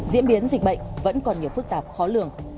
diễn biến dịch bệnh vẫn còn nhiều phức tạp khó lường